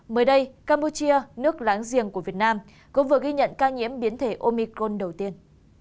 mới đây campuchia nước láng giềng của việt nam cũng vừa ghi nhận ca nhiễm biến thể omicron đầu tiên